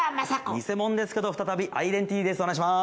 ニセモノですけど再びアイデンティティです。